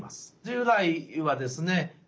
従来はですね